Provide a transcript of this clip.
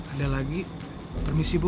ada lagi permisi bu